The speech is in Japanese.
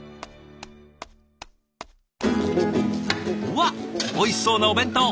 わあおいしそうなお弁当。